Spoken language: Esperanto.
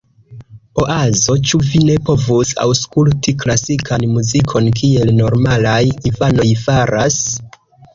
Oazo: "Ĉu vi ne povus aŭskulti klasikan muzikon kiel normalaj infanoj faras?"